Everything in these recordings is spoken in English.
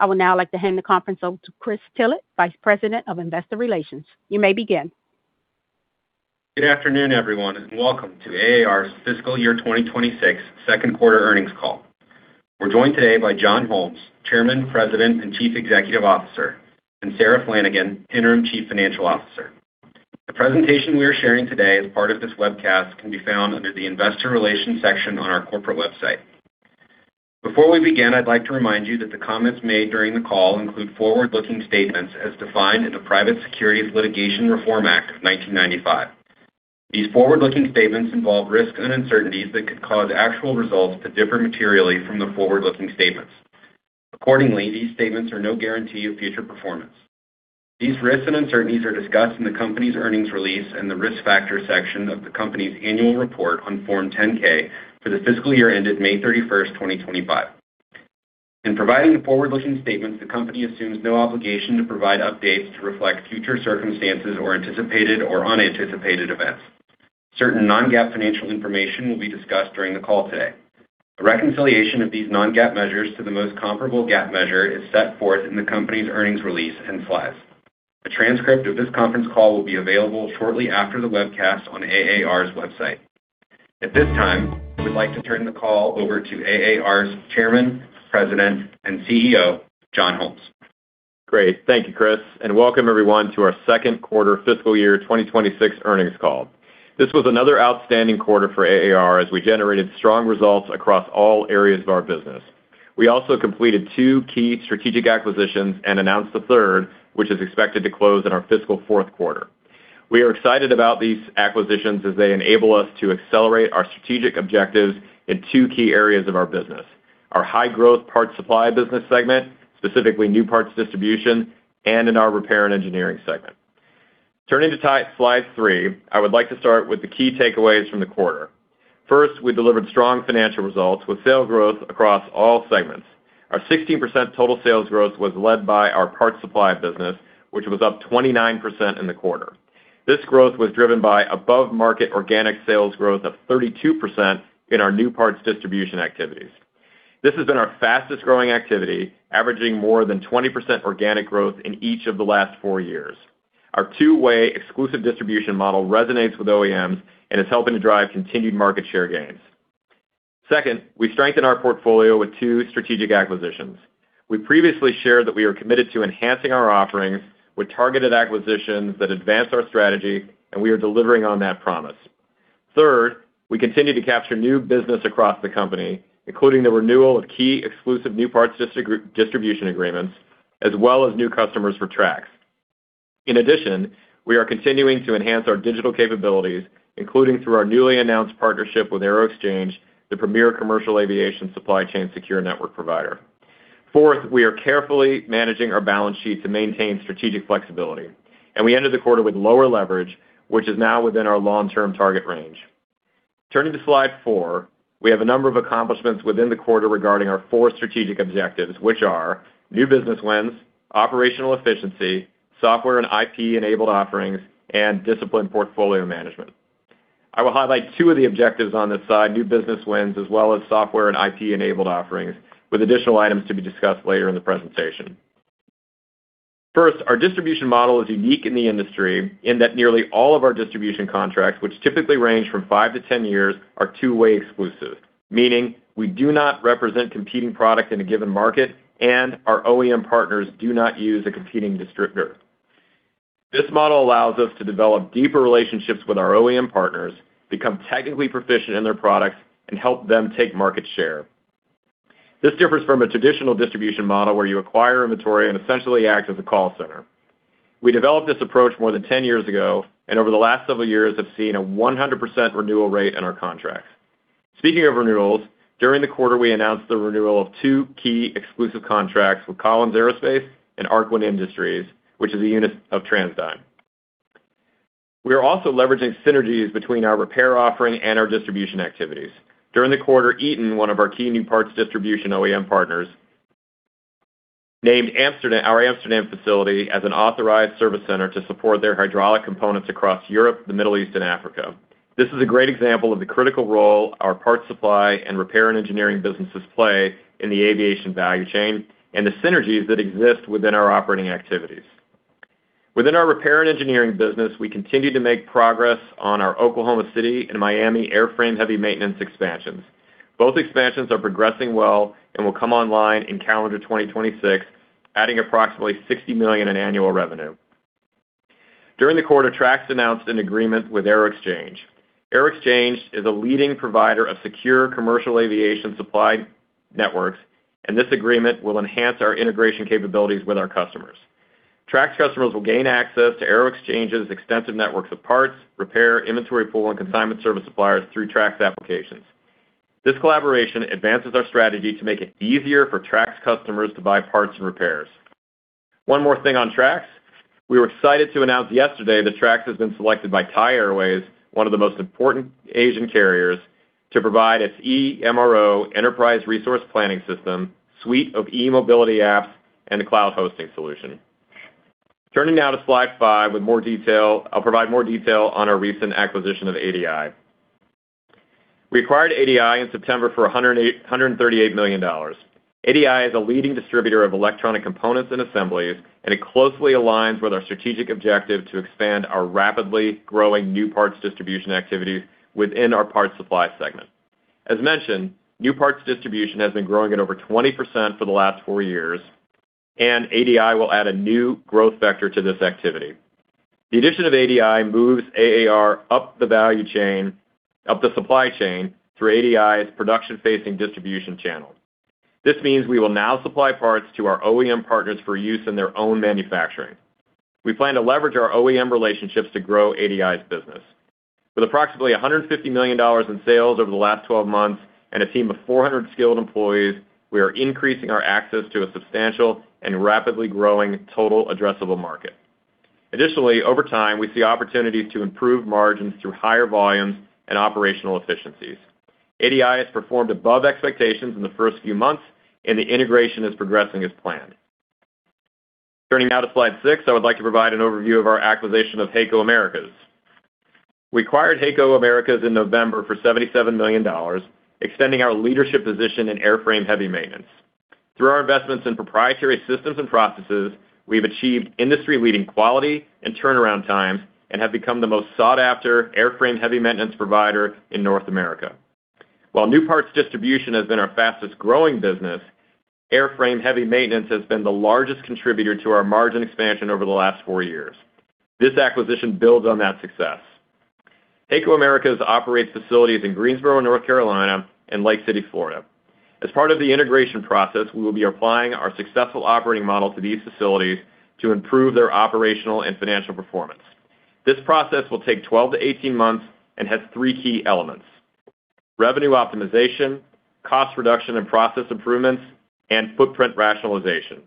I would now like to hand the conference over to Chris Tillett, Vice President of Investor Relations. You may begin. Good afternoon, everyone, and welcome to AAR's fiscal year 2026 second quarter earnings call. We're joined today by John Holmes, Chairman, President, and Chief Executive Officer, and Sarah Flanagan, Interim Chief Financial Officer. The presentation we are sharing today as part of this webcast can be found under the Investor Relations section on our corporate website. Before we begin, I'd like to remind you that the comments made during the call include forward-looking statements as defined in the Private Securities Litigation Reform Act of 1995. These forward-looking statements involve risks and uncertainties that could cause actual results to differ materially from the forward-looking statements. Accordingly, these statements are no guarantee of future performance. These risks and uncertainties are discussed in the company's earnings release and the risk factor section of the company's annual report on Form 10-K for the fiscal year ended May 31, 2025. In providing the forward-looking statements, the company assumes no obligation to provide updates to reflect future circumstances or anticipated or unanticipated events. Certain non-GAAP financial information will be discussed during the call today. The reconciliation of these non-GAAP measures to the most comparable GAAP measure is set forth in the company's earnings release and slides. A transcript of this conference call will be available shortly after the webcast on AAR's website. At this time, we'd like to turn the call over to AAR's Chairman, President, and CEO, John Holmes. Great. Thank you, Chris, and welcome, everyone, to our second quarter fiscal year 2026 earnings call. This was another outstanding quarter for AAR as we generated strong results across all areas of our business. We also completed two key strategic acquisitions and announced a third, which is expected to close in our fiscal fourth quarter. We are excited about these acquisitions as they enable us to accelerate our strategic objectives in two key areas of our business: our high-growth parts supply business segment, specifically new parts distribution, and in our Repair and Engineering segment. Turning to slide three, I would like to start with the key takeaways from the quarter. First, we delivered strong financial results with sales growth across all segments. Our 16% total sales growth was led by our parts supply business, which was up 29% in the quarter. This growth was driven by above-market organic sales growth of 32% in our new parts distribution activities. This has been our fastest-growing activity, averaging more than 20% organic growth in each of the last four years. Our two-way exclusive distribution model resonates with OEMs and is helping to drive continued market share gains. Second, we strengthened our portfolio with two strategic acquisitions. We previously shared that we are committed to enhancing our offerings with targeted acquisitions that advance our strategy, and we are delivering on that promise. Third, we continue to capture new business across the company, including the renewal of key exclusive new parts distribution agreements, as well as new customers for Trax. In addition, we are continuing to enhance our digital capabilities, including through our newly announced partnership with Aeroxchange, the premier commercial aviation supply chain secure network provider. Fourth, we are carefully managing our balance sheet to maintain strategic flexibility. And we ended the quarter with lower leverage, which is now within our long-term target range. Turning to slide four, we have a number of accomplishments within the quarter regarding our four strategic objectives, which are new business wins, operational efficiency, software and IP-enabled offerings, and disciplined portfolio management. I will highlight two of the objectives on this slide: new business wins, as well as software and IP-enabled offerings, with additional items to be discussed later in the presentation. First, our distribution model is unique in the industry in that nearly all of our distribution contracts, which typically range from five to ten years, are two-way exclusive, meaning we do not represent competing products in a given market, and our OEM partners do not use a competing distributor. This model allows us to develop deeper relationships with our OEM partners, become technically proficient in their products, and help them take market share. This differs from a traditional distribution model where you acquire inventory and essentially act as a call center. We developed this approach more than ten years ago, and over the last several years, have seen a 100% renewal rate in our contracts. Speaking of renewals, during the quarter, we announced the renewal of two key exclusive contracts with Collins Aerospace and Arkwin Industries, which is a unit of TransDigm Group. We are also leveraging synergies between our repair offering and our distribution activities. During the quarter, Eaton, one of our key new parts distribution OEM partners, named our Amsterdam facility as an authorized service center to support their hydraulic components across Europe, the Middle East, and Africa. This is a great example of the critical role our parts supply and Repair and Engineering businesses play in the aviation value chain and the synergies that exist within our operating activities. Within our Repair and Engineering business, we continue to make progress on our Oklahoma City and Miami airframe heavy maintenance expansions. Both expansions are progressing well and will come online in calendar 2026, adding approximately $60 million in annual revenue. During the quarter, Trax announced an agreement with Aeroxchange. Aeroxchange is a leading provider of secure commercial aviation supply networks, and this agreement will enhance our integration capabilities with our customers. Trax customers will gain access to Aeroxchange's extensive networks of parts, repair, inventory pool, and consignment service suppliers through Trax applications. This collaboration advances our strategy to make it easier for Trax customers to buy parts and repairs. One more thing on Trax: we were excited to announce yesterday that Trax has been selected by Thai Airways, one of the most important Asian carriers, to provide its eMRO, Enterprise Resource Planning System, suite of e-mobility apps, and a cloud hosting solution. Turning now to slide five with more detail, I'll provide more detail on our recent acquisition of ADI. We acquired ADI in September for $138 million. ADI is a leading distributor of electronic components and assemblies, and it closely aligns with our strategic objective to expand our rapidly growing new parts distribution activities within our Parts Supply segment. As mentioned, new parts distribution has been growing at over 20% for the last four years, and ADI will add a new growth vector to this activity. The addition of ADI moves AAR up the value chain, up the supply chain, through ADI's production-facing distribution channel. This means we will now supply parts to our OEM partners for use in their own manufacturing. We plan to leverage our OEM relationships to grow ADI's business. With approximately $150 million in sales over the last 12 months and a team of 400 skilled employees, we are increasing our access to a substantial and rapidly growing total addressable market. Additionally, over time, we see opportunities to improve margins through higher volumes and operational efficiencies. ADI has performed above expectations in the first few months, and the integration is progressing as planned. Turning now to slide six, I would like to provide an overview of our acquisition of HAECO Americas. We acquired HAECO Americas in November for $77 million, extending our leadership position in airframe heavy maintenance. Through our investments in proprietary systems and processes, we've achieved industry-leading quality and turnaround times and have become the most sought-after airframe heavy maintenance provider in North America. While new parts distribution has been our fastest-growing business, airframe heavy maintenance has been the largest contributor to our margin expansion over the last four years. This acquisition builds on that success. HAECO Americas operates facilities in Greensboro, North Carolina, and Lake City, Florida. As part of the integration process, we will be applying our successful operating model to these facilities to improve their operational and financial performance. This process will take 12month -18 months and has three key elements: revenue optimization, cost reduction and process improvements, and footprint rationalization.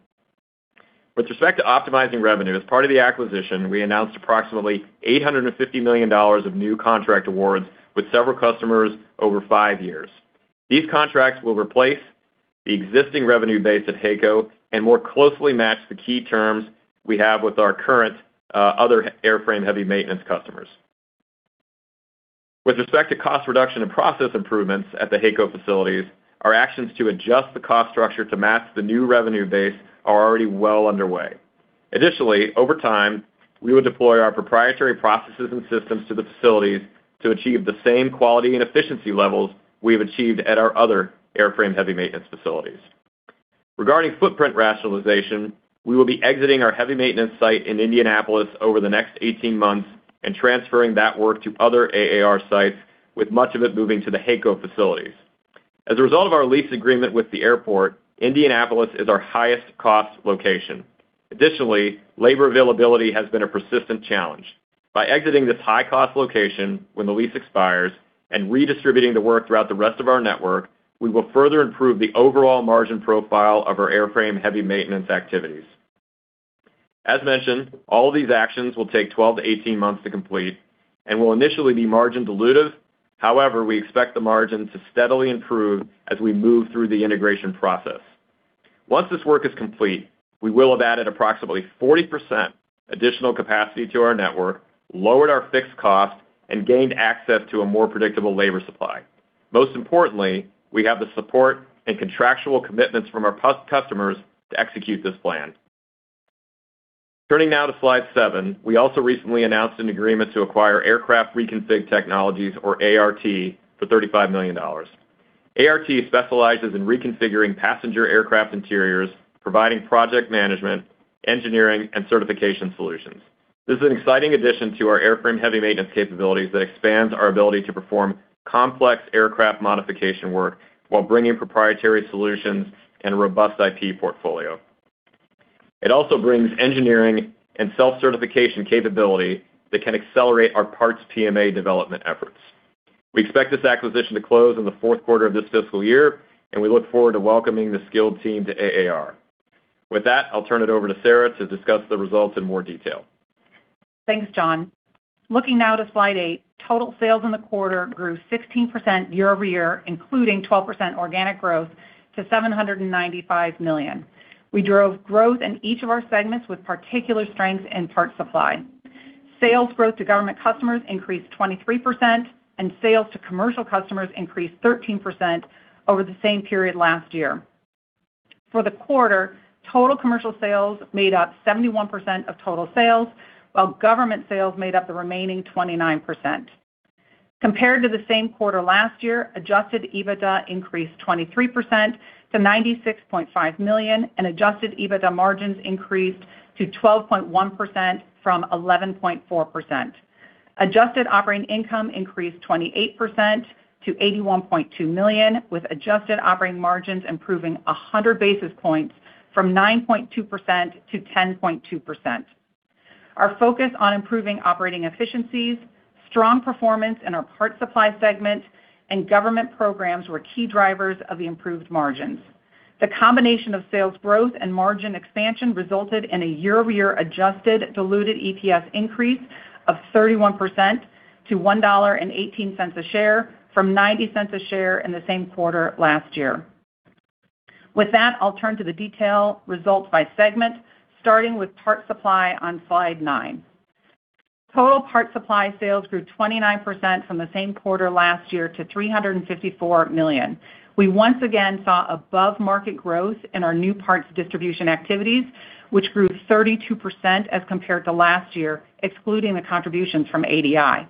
With respect to optimizing revenue, as part of the acquisition, we announced approximately $850 million of new contract awards with several customers over five years. These contracts will replace the existing revenue base at HAECO and more closely match the key terms we have with our current other airframe heavy maintenance customers. With respect to cost reduction and process improvements at the HAECO facilities, our actions to adjust the cost structure to match the new revenue base are already well underway. Additionally, over time, we will deploy our proprietary processes and systems to the facilities to achieve the same quality and efficiency levels we have achieved at our other airframe heavy maintenance facilities. Regarding footprint rationalization, we will be exiting our heavy maintenance site in Indianapolis over the next 18 months and transferring that work to other AAR sites, with much of it moving to the HAECO facilities. As a result of our lease agreement with the airport, Indianapolis is our highest-cost location. Additionally, labor availability has been a persistent challenge. By exiting this high-cost location when the lease expires and redistributing the work throughout the rest of our network, we will further improve the overall margin profile of our Airframe heavy maintenance activities. As mentioned, all of these actions will take 12 months -18 months to complete and will initially be margin-dilutive. However, we expect the margin to steadily improve as we move through the integration process. Once this work is complete, we will have added approximately 40% additional capacity to our network, lowered our fixed cost, and gained access to a more predictable labor supply. Most importantly, we have the support and contractual commitments from our customers to execute this plan. Turning now to Slide seven, we also recently announced an agreement to acquire Aircraft Reconfig Technologies, or ART, for $35 million. ART specializes in reconfiguring passenger aircraft interiors, providing project management, engineering, and certification solutions. This is an exciting addition to our airframe heavy maintenance capabilities that expands our ability to perform complex aircraft modification work while bringing proprietary solutions and a robust IP portfolio. It also brings engineering and self-certification capability that can accelerate our parts PMA development efforts. We expect this acquisition to close in the fourth quarter of this fiscal year, and we look forward to welcoming the skilled team to AAR. With that, I'll turn it over to Sarah to discuss the results in more detail. Thanks, John. Looking now to slide eight, total sales in the quarter grew 16% year-over-year, including 12% organic growth to $795 million. We drove growth in each of our segments with particular strengths in parts supply. Sales growth to government customers increased 23%, and sales to commercial customers increased 13% over the same period last year. For the quarter, total commercial sales made up 71% of total sales, while government sales made up the remaining 29%. Compared to the same quarter last year, adjusted EBITDA increased 23% to $96.5 million, and adjusted EBITDA margins increased to 12.1% from 11.4%. Adjusted operating income increased 28% to $81.2 million, with adjusted operating margins improving 100 basis points from 9.2% to 10.2%. Our focus on improving operating efficiencies, strong performance in our parts supply segment, and government programs were key drivers of the improved margins. The combination of sales growth and margin expansion resulted in a year-over-year adjusted diluted EPS increase of 31% to $1.18 a share from $0.90 a share in the same quarter last year. With that, I'll turn to the detailed results by segment, starting with Parts Supply on slide nine. Total Parts Supply sales grew 29% from the same quarter last year to $354 million. We once again saw above-market growth in our new parts distribution activities, which grew 32% as compared to last year, excluding the contributions from ADI.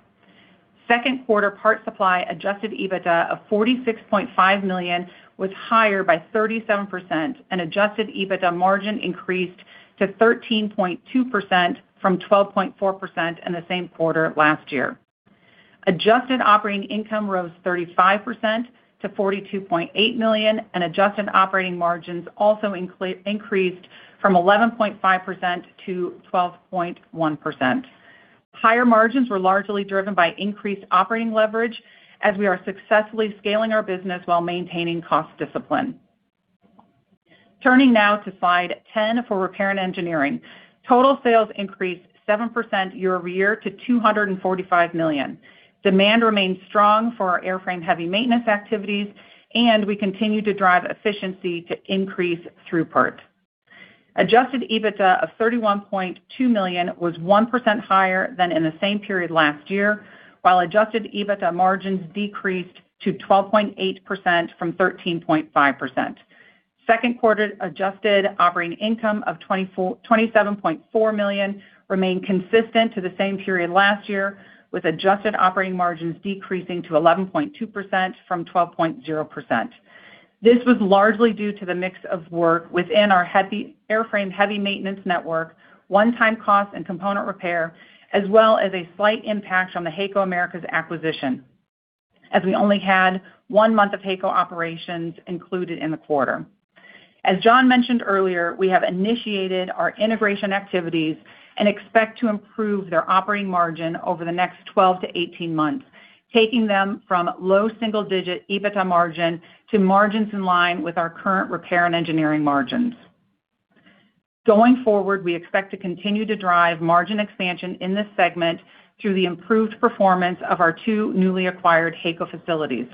Second quarter Parts Supply adjusted EBITDA of $46.5 million was higher by 37%, and adjusted EBITDA margin increased to 13.2% from 12.4% in the same quarter last year. Adjusted operating income rose 35% to $42.8 million, and adjusted operating margins also increased from 11.5% to 12.1%. Higher margins were largely driven by increased operating leverage, as we are successfully scaling our business while maintaining cost discipline. Turning now to slide 10 for Repair and Engineering. Total sales increased 7% year-over-year to $245 million. Demand remained strong for our airframe heavy maintenance activities, and we continue to drive efficiency to increase throughput. Adjusted EBITDA of $31.2 million was 1% higher than in the same period last year, while adjusted EBITDA margins decreased to 12.8% from 13.5%. Second quarter adjusted operating income of $27.4 million remained consistent to the same period last year, with adjusted operating margins decreasing to 11.2% from 12.0%. This was largely due to the mix of work within our airframe heavy maintenance network, one-time costs and component repair, as well as a slight impact on the HAECO Americas acquisition, as we only had one month of HAECO operations included in the quarter. As John mentioned earlier, we have initiated our integration activities and expect to improve their operating margin over the next 12 months to 18 months, taking them from low single-digit EBITDA margin to margins in line with our current Repair and Engineering margins. Going forward, we expect to continue to drive margin expansion in this segment through the improved performance of our two newly acquired HAECO facilities,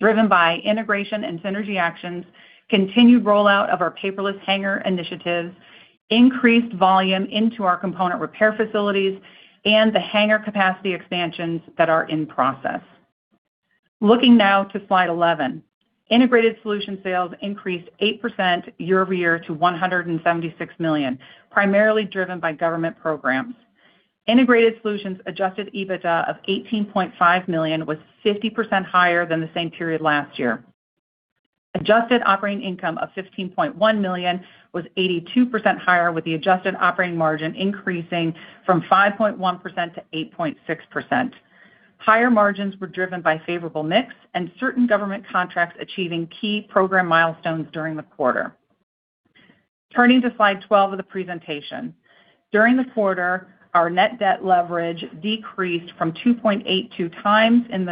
driven by integration and synergy actions, continued rollout of our paperless hangar initiatives, increased volume into our component repair facilities, and the hangar capacity expansions that are in process. Looking now to Slide 11, Integrated Solutions sales increased 8% year-over-year to $176 million, primarily driven by government programs. Integrated Solutions adjusted EBITDA of $18.5 million was 50% higher than the same period last year. Adjusted operating income of $15.1 million was 82% higher, with the adjusted operating margin increasing from 5.1% to 8.6%. Higher margins were driven by favorable mix and certain government contracts achieving key program milestones during the quarter. Turning to slide 12 of the presentation, during the quarter, our net debt leverage decreased from 2.82 times in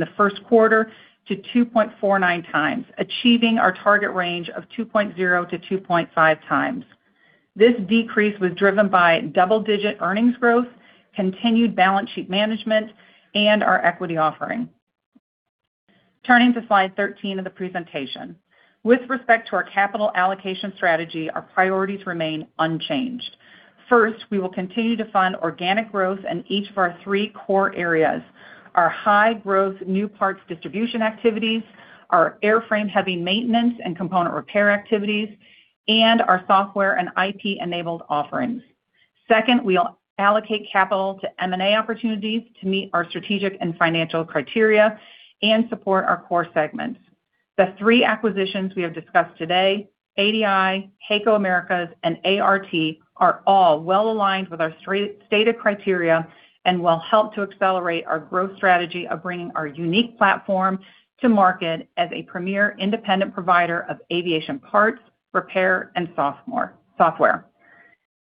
the first quarter to 2.49 times, achieving our target range of 2.0 to 2.5 times. This decrease was driven by double-digit earnings growth, continued balance sheet management, and our equity offering. Turning to slide 13 of the presentation, with respect to our capital allocation strategy, our priorities remain unchanged. First, we will continue to fund organic growth in each of our three core areas: our high-growth new parts distribution activities, our airframe heavy maintenance and component repair activities, and our software and IP-enabled offerings. Second, we'll allocate capital to M&A opportunities to meet our strategic and financial criteria and support our core segments. The three acquisitions we have discussed today - ADI, HAECO Americas, and ART - are all well aligned with our stated criteria and will help to accelerate our growth strategy of bringing our unique platform to market as a premier independent provider of aviation parts, repair, and software.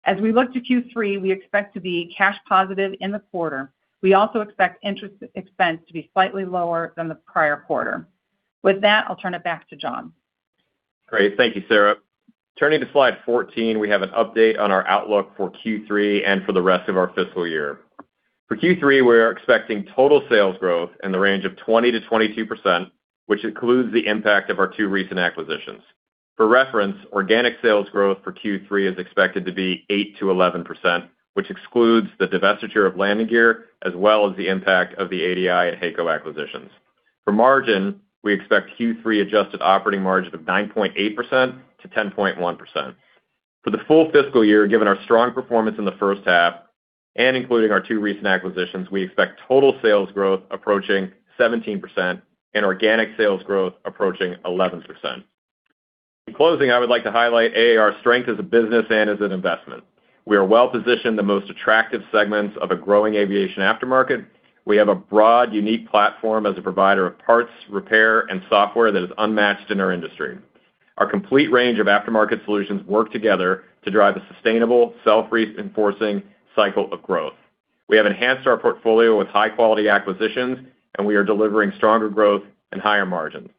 As we look to Q3, we expect to be cash positive in the quarter. We also expect interest expense to be slightly lower than the prior quarter. With that, I'll turn it back to John. Great. Thank you, Sarah. Turning to slide 14, we have an update on our outlook for Q3 and for the rest of our fiscal year. For Q3, we're expecting total sales growth in the range of 20%-22%, which includes the impact of our two recent acquisitions. For reference, organic sales growth for Q3 is expected to be 8%-11%, which excludes the divestiture of landing gear, as well as the impact of the ADI and HAECO acquisitions. For margin, we expect Q3 adjusted operating margin of 9.8%-10.1%. For the full fiscal year, given our strong performance in the first half and including our two recent acquisitions, we expect total sales growth approaching 17% and organic sales growth approaching 11%. In closing, I would like to highlight AAR's strength as a business and as an investment. We are well positioned in the most attractive segments of a growing aviation aftermarket. We have a broad, unique platform as a provider of parts, repair, and software that is unmatched in our industry. Our complete range of aftermarket solutions work together to drive a sustainable, self-reinforcing cycle of growth. We have enhanced our portfolio with high-quality acquisitions, and we are delivering stronger growth and higher margins.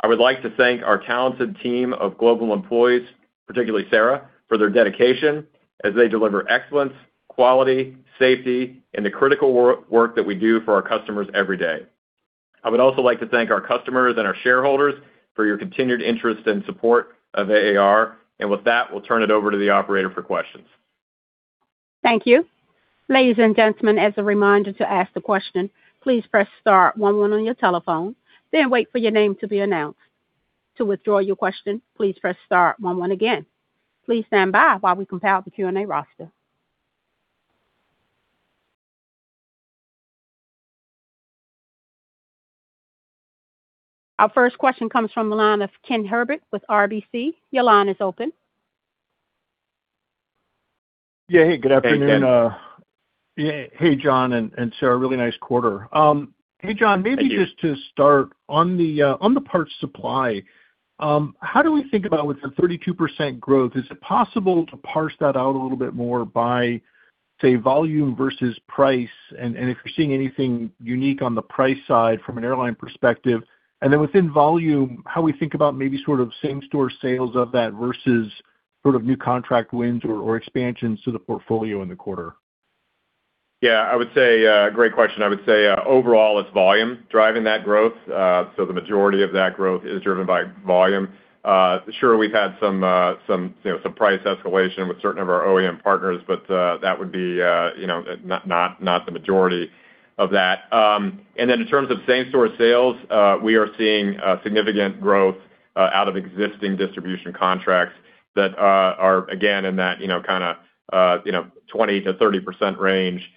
I would like to thank our talented team of global employees, particularly Sarah, for their dedication, as they deliver excellence, quality, safety, and the critical work that we do for our customers every day. I would also like to thank our customers and our shareholders for your continued interest and support of AAR. And with that, we'll turn it over to the operator for questions. Thank you. Ladies and gentlemen, as a reminder to ask a question, please press star one when you're on your telephone. Then wait for your name to be announced. To withdraw your question, please press star one again. Please stand by while we compile the Q&A roster. Our first question comes from Ken Herbert with RBC. Your line is it open? Yeah. Hey, good afternoon. Good afternoon. Hey, John and Sarah. Really nice quarter. Hey, John, maybe just to start on the parts supply, how do we think about with the 32% growth? Is it possible to parse that out a little bit more by, say, volume versus price? And if you're seeing anything unique on the price side from an airline perspective? And then within volume, how we think about maybe sort of same-store sales of that versus sort of new contract wins or expansions to the portfolio in the quarter? Yeah. I would say a great question. I would say overall, it's volume driving that growth. So the majority of that growth is driven by volume. Sure, we've had some price escalation with certain of our OEM partners, but that would be not the majority of that. And then in terms of same-store sales, we are seeing significant growth out of existing distribution contracts that are, again, in that kind of 20%-30% range,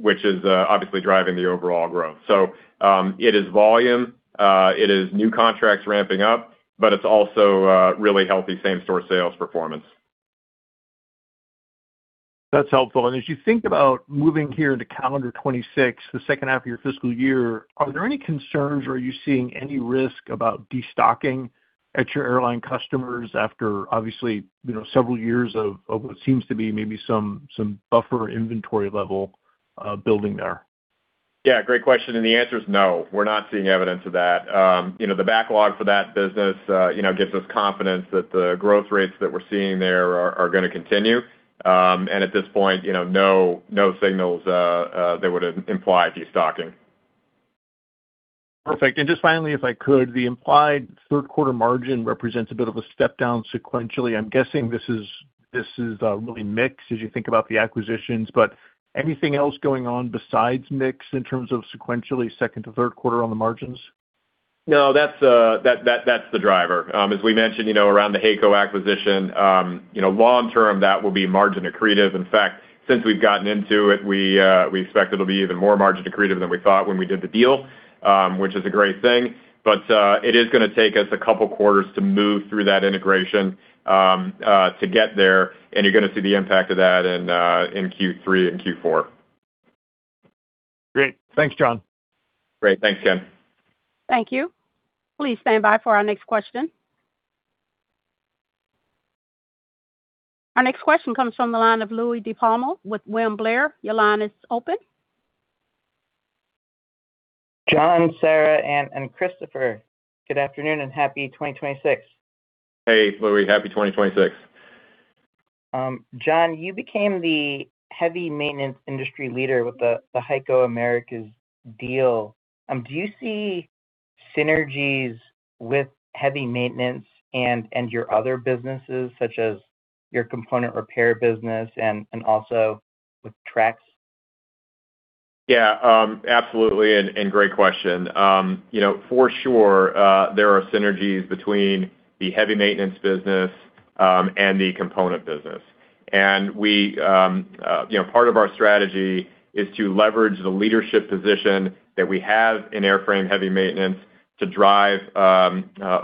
which is obviously driving the overall growth. So it is volume. It is new contracts ramping up, but it's also really healthy same-store sales performance. That's helpful. And as you think about moving here into calendar 2026, the second half of your fiscal year, are there any concerns or are you seeing any risk about destocking at your airline customers after, obviously, several years of what seems to be maybe some buffer inventory level building there? Yeah. Great question. And the answer is no. We're not seeing evidence of that. The backlog for that business gives us confidence that the growth rates that we're seeing there are going to continue. And at this point, no signals that would imply destocking. Perfect. And just finally, if I could, the implied third-quarter margin represents a bit of a step down sequentially. I'm guessing this is really mixed as you think about the acquisitions. But anything else going on besides mix in terms of sequentially second to third quarter on the margins? No, that's the driver. As we mentioned around the HAECO acquisition, long-term, that will be margin accretive. In fact, since we've gotten into it, we expect it'll be even more margin accretive than we thought when we did the deal, which is a great thing. But it is going to take us a couple of quarters to move through that integration to get there. And you're going to see the impact of that in Q3 and Q4. Great. Thanks, John. Great. Thanks, Ken. Thank you. Please stand by for our next question. Our next question comes from the line of Louie DiPalma with William Blair. Your line is it open? John, Sarah, and Christopher, good afternoon and happy 2026. Hey, Louie. Happy 2026. John, you became the heavy maintenance industry leader with the HAECO Americas deal. Do you see synergies with heavy maintenance and your other businesses, such as your component repair business and also with Trax? Yeah. Absolutely. And great question. For sure, there are synergies between the heavy maintenance business and the component business. And part of our strategy is to leverage the leadership position that we have in airframe heavy maintenance to drive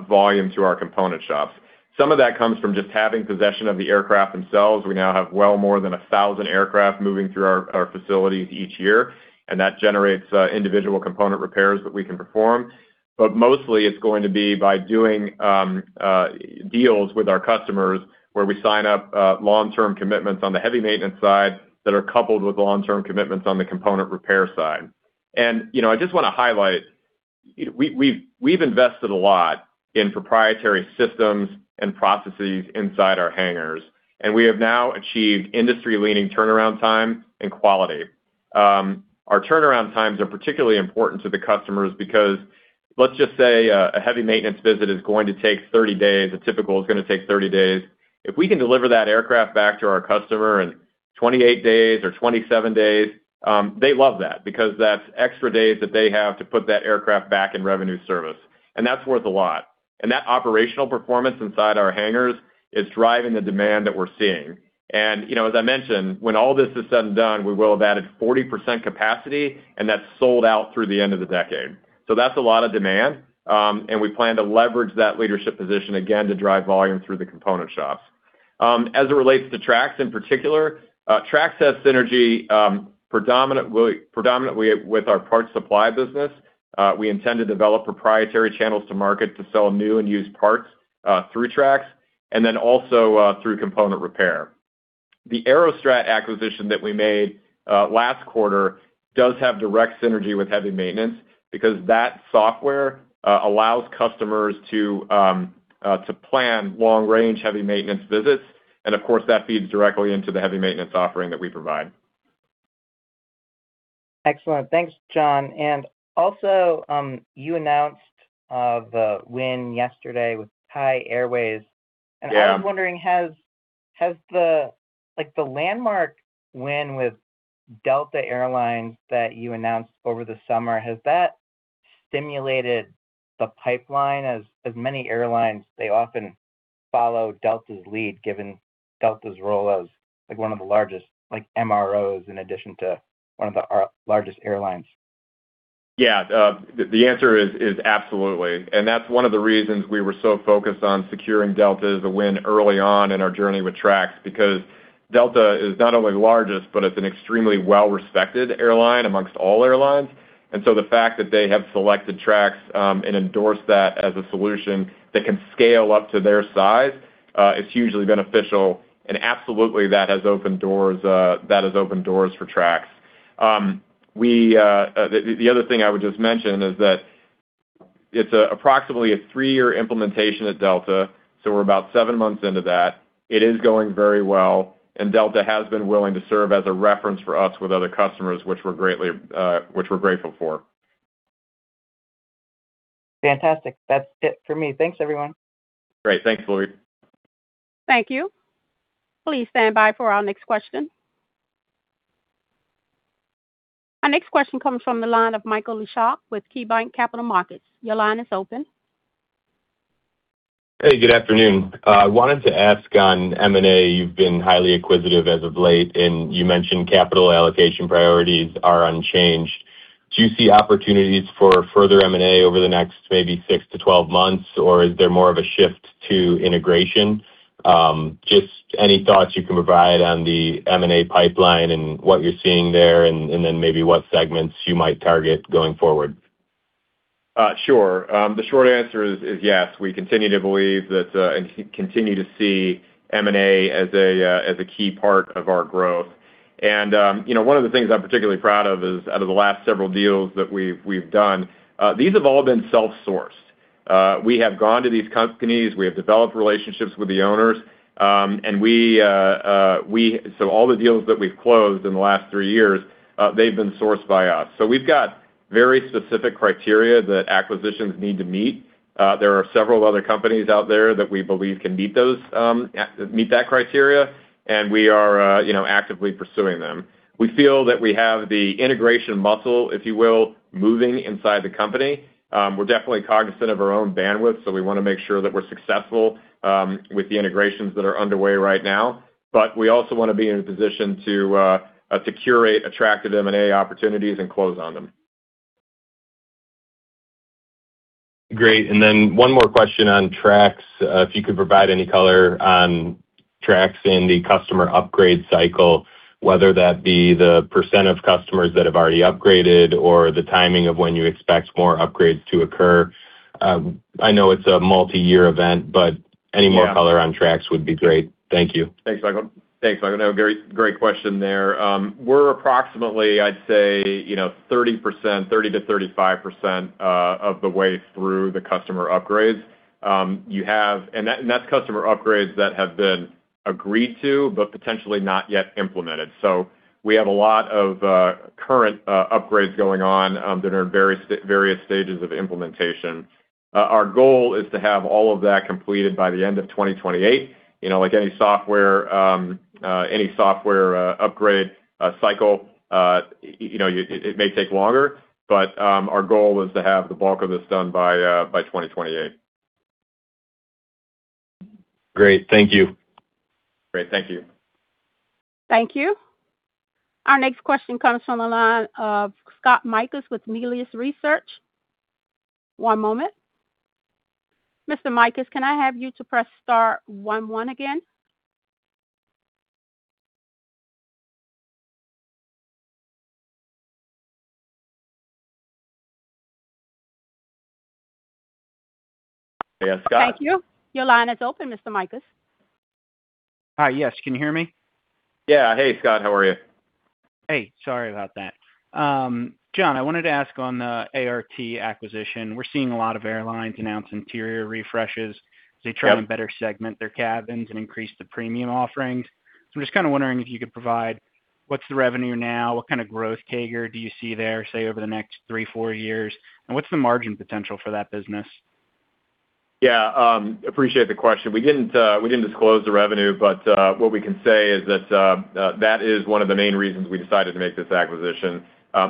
volume to our component shops. Some of that comes from just having possession of the aircraft themselves. We now have well more than 1,000 aircraft moving through our facilities each year. And that generates individual component repairs that we can perform. But mostly, it's going to be by doing deals with our customers where we sign up long-term commitments on the heavy maintenance side that are coupled with long-term commitments on the component repair side. And I just want to highlight, we've invested a lot in proprietary systems and processes inside our hangars. And we have now achieved industry-leading turnaround time and quality. Our turnaround times are particularly important to the customers because let's just say a heavy maintenance visit is going to take 30 days. A typical is going to take 30 days. If we can deliver that aircraft back to our customer in 28 days or 27 days, they love that because that's extra days that they have to put that aircraft back in revenue service, and that's worth a lot, and that operational performance inside our hangars is driving the demand that we're seeing. And as I mentioned, when all this is said and done, we will have added 40% capacity, and that's sold out through the end of the decade, so that's a lot of demand. And we plan to leverage that leadership position again to drive volume through the component shops. As it relates to Trax in particular, Trax have synergy predominantly with our parts supply business. We intend to develop proprietary channels to market to sell new and used parts through Trax and then also through component repair. The AeroStrat acquisition that we made last quarter does have direct synergy with heavy maintenance because that software allows customers to plan long-range heavy maintenance visits. And of course, that feeds directly into the heavy maintenance offering that we provide. Excellent. Thanks, John. And also, you announced the win yesterday with Thai Airways. And I was wondering, has the landmark win with Delta Air Lines that you announced over the summer, has that stimulated the pipeline as many airlines? They often follow Delta's lead, given Delta's role as one of the largest MROs in addition to one of the largest airlines. Yeah. The answer is absolutely. And that's one of the reasons we were so focused on securing Delta as a win early on in our journey with Trax because Delta is not only the largest, but it's an extremely well-respected airline amongst all airlines. And so the fact that they have selected Trax and endorsed that as a solution that can scale up to their size is hugely beneficial. And absolutely, that has opened doors for Trax. The other thing I would just mention is that it's approximately a three-year implementation at Delta. So we're about seven months into that. It is going very well. And Delta has been willing to serve as a reference for us with other customers, which we're greatly grateful for. Fantastic. That's it for me. Thanks, everyone. Great. Thanks, Louis. Thank you. Please stand by for our next question. Our next question comes from the line of Michael Leshock with KeyBanc Capital Markets. Your line is open. Hey, good afternoon. I wanted to ask on M&A. You've been highly acquisitive as of late, and you mentioned capital allocation priorities are unchanged. Do you see opportunities for further M&A over the next maybe 6-12 months, or is there more of a shift to integration? Just any thoughts you can provide on the M&A pipeline and what you're seeing there, and then maybe what segments you might target going forward? Sure. The short answer is yes. We continue to believe that and continue to see M&A as a key part of our growth. And one of the things I'm particularly proud of is out of the last several deals that we've done, these have all been self-sourced. We have gone to these companies. We have developed relationships with the owners. And so all the deals that we've closed in the last three years, they've been sourced by us. So we've got very specific criteria that acquisitions need to meet. There are several other companies out there that we believe can meet that criteria, and we are actively pursuing them. We feel that we have the integration muscle, if you will, moving inside the company. We're definitely cognizant of our own bandwidth, so we want to make sure that we're successful with the integrations that are underway right now. But we also want to be in a position to curate, attract M&A opportunities, and close on them. Great. And then one more question on Trax. If you could provide any color on Trax in the customer upgrade cycle, whether that be the percent of customers that have already upgraded or the timing of when you expect more upgrades to occur? I know it's a multi-year event, but any more color on Trax would be great. Thank you. Thanks, Michael. Thanks, Michael. No, great question there. We're approximately, I'd say, 30%-35% of the way through the customer upgrades. And that's customer upgrades that have been agreed to but potentially not yet implemented. So we have a lot of current upgrades going on that are in various stages of implementation. Our goal is to have all of that completed by the end of 2028. Like any software upgrade cycle, it may take longer, but our goal is to have the bulk of this done by 2028. Great. Thank you. Great. Thank you. Thank you. Our next question comes from the line of Scott Mikus with Melius Research. One moment. Mr. Mikus, can I have you to press star one again? Yes, Scott. Thank you. Your line is open, Mr. Mikus. Hi, yes. Can you hear me? Yeah. Hey, Scott. How are you? Hey. Sorry about that. John, I wanted to ask on the ART acquisition. We're seeing a lot of airlines announce interior refreshes as they try to better segment their cabins and increase the premium offerings. So I'm just kind of wondering if you could provide what's the revenue now? What kind of growth can you see there, say, over the next three, four years? And what's the margin potential for that business? Yeah. Appreciate the question. We didn't disclose the revenue, but what we can say is that that is one of the main reasons we decided to make this acquisition.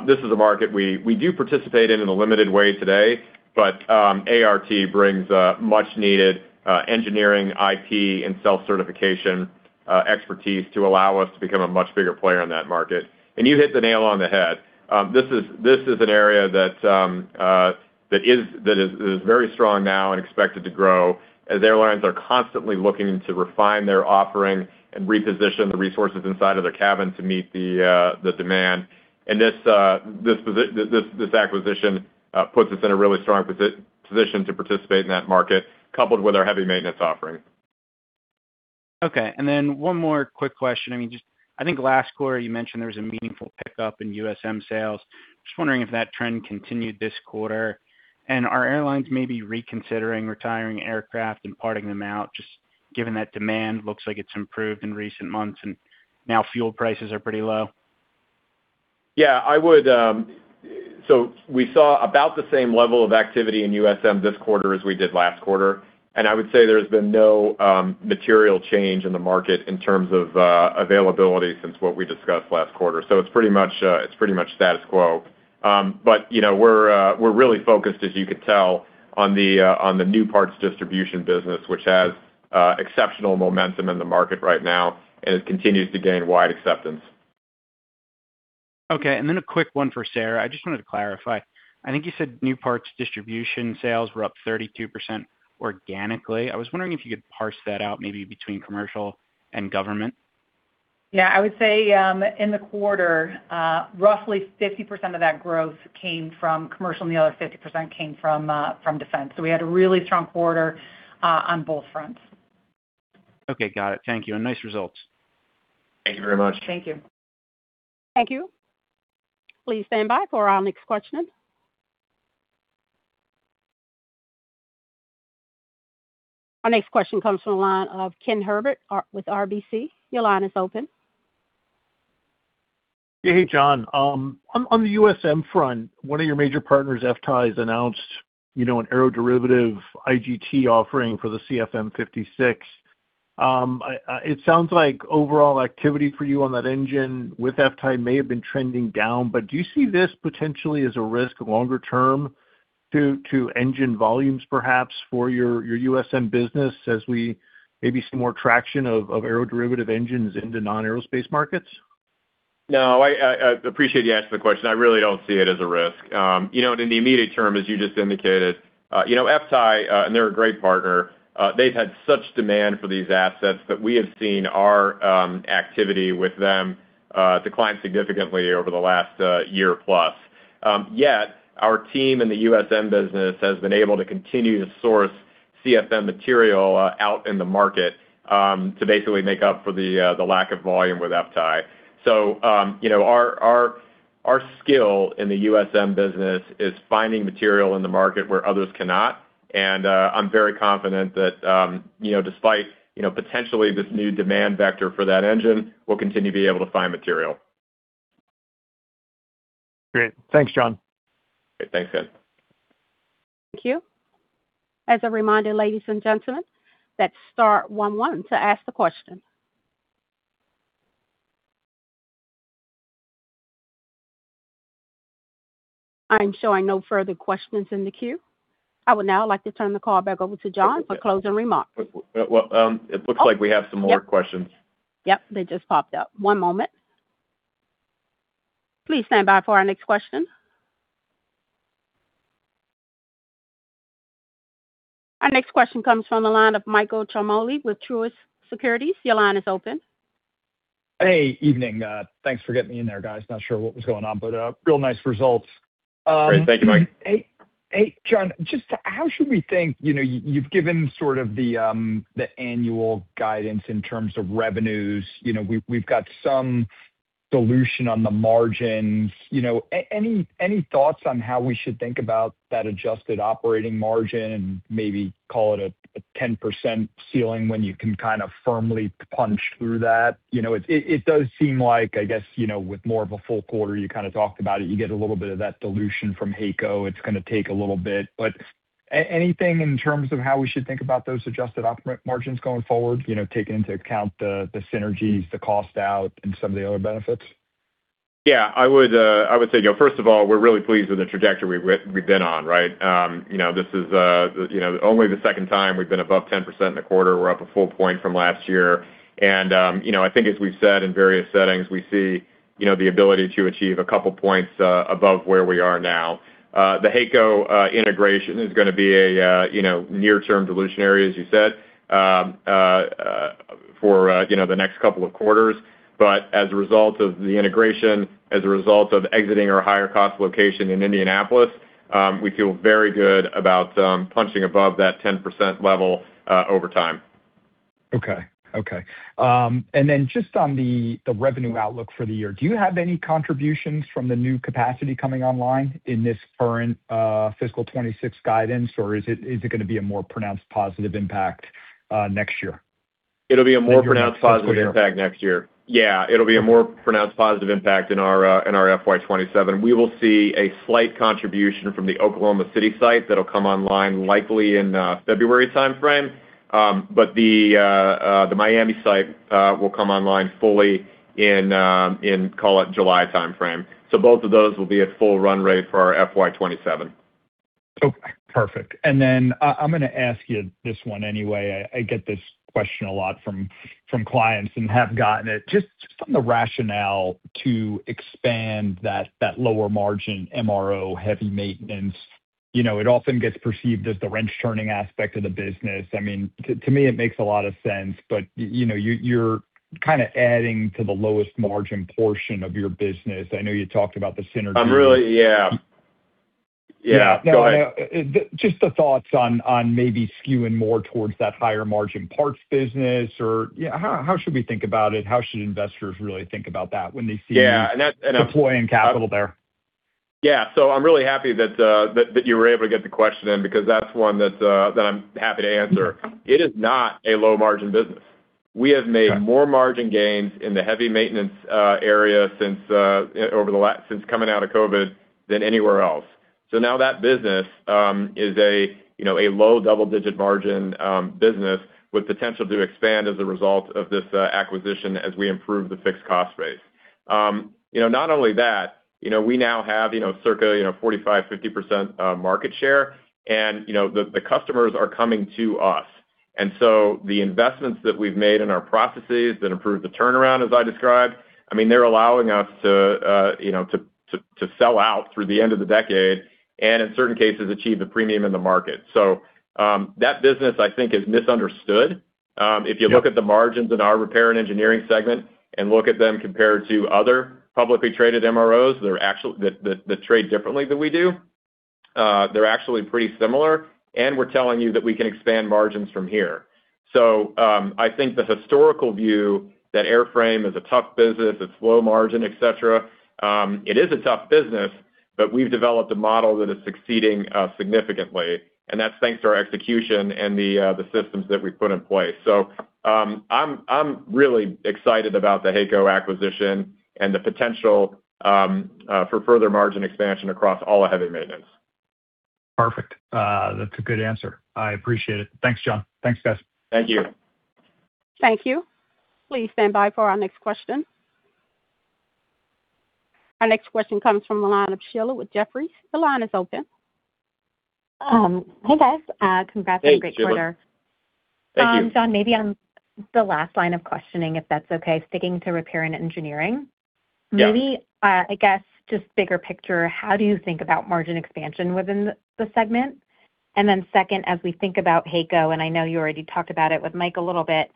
This is a market we do participate in in a limited way today, but ART brings much-needed engineering, IP, and self-certification expertise to allow us to become a much bigger player in that market. And you hit the nail on the head. This is an area that is very strong now and expected to grow as airlines are constantly looking to refine their offering and reposition the resources inside of their cabin to meet the demand. And this acquisition puts us in a really strong position to participate in that market, coupled with our heavy maintenance offering. Okay. And then one more quick question. I mean, I think last quarter, you mentioned there was a meaningful pickup in USM sales. Just wondering if that trend continued this quarter. And are airlines maybe reconsidering retiring aircraft and parting them out, just given that demand looks like it's improved in recent months and now fuel prices are pretty low? Yeah. So we saw about the same level of activity in USM this quarter as we did last quarter. And I would say there has been no material change in the market in terms of availability since what we discussed last quarter. So it's pretty much status quo. But we're really focused, as you can tell, on the new parts distribution business, which has exceptional momentum in the market right now and continues to gain wide acceptance. Okay. And then a quick one for Sarah. I just wanted to clarify. I think you said new parts distribution sales were up 32% organically. I was wondering if you could parse that out maybe between commercial and government. Yeah. I would say in the quarter, roughly 50% of that growth came from commercial, and the other 50% came from defense. So we had a really strong quarter on both fronts. Okay. Got it. Thank you. And nice results. Thank you very much. Thank you. Thank you. Please stand by for our next question. Our next question comes from the line of Ken Herbert with RBC. Your line is open. Yeah. Hey, John. On the USM front, one of your major partners, FTAI, has announced an aeroderivative IGT offering for the CFM56. It sounds like overall activity for you on that engine with FTAI may have been trending down, but do you see this potentially as a risk longer term to engine volumes, perhaps, for your USM business as we maybe see more traction of aeroderivative engines into non-aerospace markets? No. I appreciate you asking the question. I really don't see it as a risk. And in the immediate term, as you just indicated, FTAI, and they're a great partner. They've had such demand for these assets that we have seen our activity with them decline significantly over the last year plus. Yet, our team in the USM business has been able to continue to source CFM material out in the market to basically make up for the lack of volume with FTAI. So our skill in the USM business is finding material in the market where others cannot. And I'm very confident that despite potentially this new demand vector for that engine, we'll continue to be able to find material. Great. Thanks, John. Great. Thanks, Ken. Thank you. As a reminder, ladies and gentlemen, that's star one to ask the question. I'm showing no further questions in the queue. I would now like to turn the call back over to John for closing remarks. It looks like we have some more questions. Yep. They just popped up. One moment. Please stand by for our next question. Our next question comes from the line of Michael Ciarmoli with Truist Securities. Your line is open. Hey, evening. Thanks for getting me in there, guys. Not sure what was going on, but real nice results. Great. Thank you, Mike. Hey, John, just how should we think? You've given sort of the annual guidance in terms of revenues. We've got some dilution on the margins. Any thoughts on how we should think about that adjusted operating margin and maybe call it a 10% ceiling when you can kind of firmly punch through that? It does seem like, I guess, with more of a full quarter, you kind of talked about it, you get a little bit of that dilution from HAECO. It's going to take a little bit. But anything in terms of how we should think about those adjusted margins going forward, taking into account the synergies, the cost out, and some of the other benefits? Yeah. I would say, first of all, we're really pleased with the trajectory we've been on, right? This is only the second time we've been above 10% in the quarter. We're up a full point from last year. And I think, as we've said in various settings, we see the ability to achieve a couple of points above where we are now. The HAECO integration is going to be a near-term dilution area, as you said, for the next couple of quarters. But as a result of the integration, as a result of exiting our higher-cost location in Indianapolis, we feel very good about punching above that 10% level over time. Okay. And then just on the revenue outlook for the year, do you have any contributions from the new capacity coming online in this current fiscal 2026 guidance, or is it going to be a more pronounced positive impact next year? It'll be a more pronounced positive impact next year. Yeah. It'll be a more pronounced positive impact in our FY 27. We will see a slight contribution from the Oklahoma City site that'll come online likely in February timeframe, but the Miami site will come online fully in, call it, July timeframe. So both of those will be at full run rate for our FY 27. Okay. Perfect, and then I'm going to ask you this one anyway. I get this question a lot from clients and have gotten it. Just on the rationale to expand that lower margin MRO heavy maintenance, it often gets perceived as the wrench-turning aspect of the business. I mean, to me, it makes a lot of sense, but you're kind of adding to the lowest margin portion of your business. I know you talked about the synergy. Yeah. Yeah. Go ahead. Just the thoughts on maybe skewing more towards that higher margin parts business, or how should we think about it? How should investors really think about that when they see deploying capital there? Yeah. So I'm really happy that you were able to get the question in because that's one that I'm happy to answer. It is not a low-margin business. We have made more margin gains in the heavy maintenance area since coming out of COVID than anywhere else. So now that business is a low double-digit margin business with potential to expand as a result of this acquisition as we improve the fixed cost space. Not only that, we now have circa 45%-50% market share, and the customers are coming to us. And so the investments that we've made in our processes that improve the turnaround, as I described, I mean, they're allowing us to sell out through the end of the decade and, in certain cases, achieve a premium in the market. So that business, I mean, is misunderstood. If you look at the margins in our Repair and Engineering segment and look at them compared to other publicly traded MROs, they trade differently than we do. They're actually pretty similar, and we're telling you that we can expand margins from here. So I think the historical view that Airframe is a tough business, it's low margin, etc., it is a tough business, but we've developed a model that is succeeding significantly, and that's thanks to our execution and the systems that we've put in place. So I'm really excited about the HAECO acquisition and the potential for further margin expansion across all of heavy maintenance. Perfect. That's a good answer. I appreciate it. Thanks, John. Thanks, guys. Thank you. Thank you. Please stand by for our next question. Our next question comes from the line of Sheila with Jefferies. The line is open. Hey, guys. Congrats on a great quarter. Thank you. John, maybe on the last line of questioning, if that's okay, sticking to Repair and Engineering. Maybe, I guess, just bigger picture, how do you think about margin expansion within the segment? And then second, as we think about HAECO, and I know you already talked about it with Mike a little bit,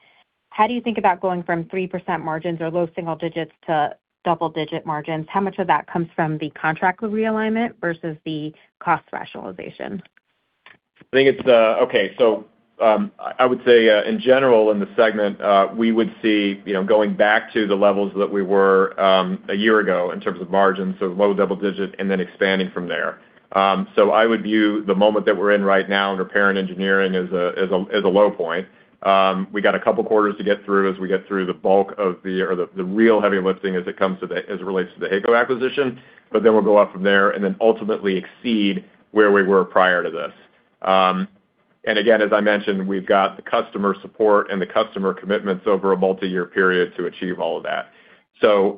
how do you think about going from 3% margins or low single digits to double-digit margins? How much of that comes from the contract realignment versus the cost rationalization? I think it's okay. So I would say, in general, in the segment, we would see going back to the levels that we were a year ago in terms of margins, so low double-digit and then expanding from there. So I would view the moment that we're in right now in Repair and Engineering as a low point. We got a couple of quarters to get through as we get through the bulk of the real heavy lifting as it relates to the HAECO acquisition, but then we'll go up from there and then ultimately exceed where we were prior to this. And again, as I mentioned, we've got the customer support and the customer commitments over a multi-year period to achieve all of that. So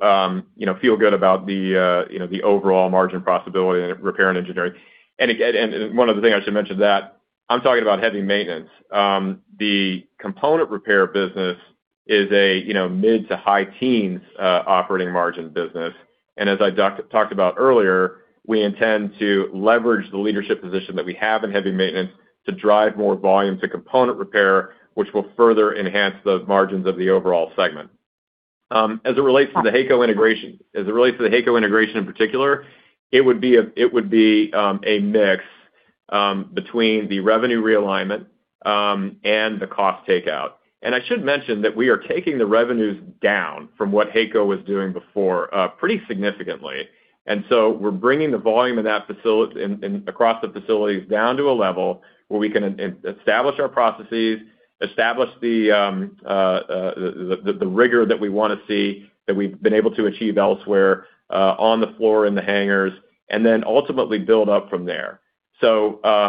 feel good about the overall margin possibility in Repair and Engineering. One other thing I should mention to that. I'm talking about heavy maintenance. The component repair business is a mid- to high-teens operating margin business. And as I talked about earlier, we intend to leverage the leadership position that we have in heavy maintenance to drive more volume to component repair, which will further enhance the margins of the overall segment. As it relates to the HAECO integration, as it relates to the HAECO integration in particular, it would be a mix between the revenue realignment and the cost takeout. And I should mention that we are taking the revenues down from what HAECO was doing before pretty significantly. And so we're bringing the volume across the facilities down to a level where we can establish our processes, establish the rigor that we want to see that we've been able to achieve elsewhere on the floor in the hangars, and then ultimately build up from there. So we're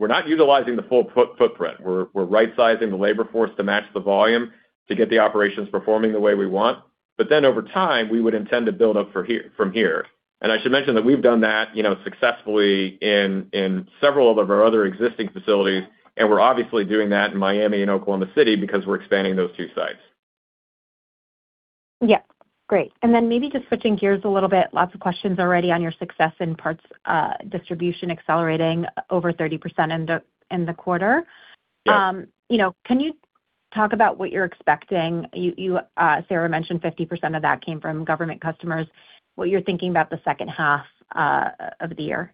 not utilizing the full footprint. We're right-sizing the labor force to match the volume to get the operations performing the way we want. But then over time, we would intend to build up from here. And I should mention that we've done that successfully in several of our other existing facilities, and we're obviously doing that in Miami and Oklahoma City because we're expanding those two sites. Yep. Great. And then maybe just switching gears a little bit, lots of questions already on your success in parts distribution accelerating over 30% in the quarter. Can you talk about what you're expecting? Sarah mentioned 50% of that came from government customers. What you're thinking about the second half of the year?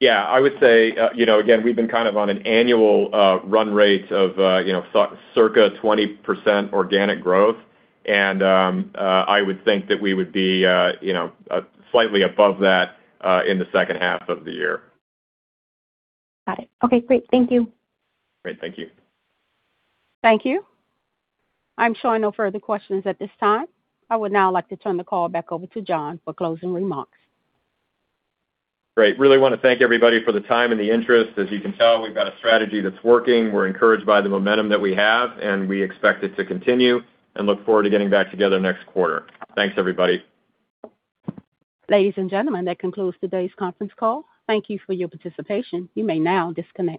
Yeah. I would say, again, we've been kind of on an annual run rate of circa 20% organic growth, and I would think that we would be slightly above that in the second half of the year. Got it. Okay. Great. Thank you. Great. Thank you. Thank you. I'm showing no further questions at this time. I would now like to turn the call back over to John for closing remarks. Great. Really want to thank everybody for the time and the interest. As you can tell, we've got a strategy that's working. We're encouraged by the momentum that we have, and we expect it to continue and look forward to getting back together next quarter. Thanks, everybody. Ladies and gentlemen, that concludes today's conference call. Thank you for your participation. You may now disconnect.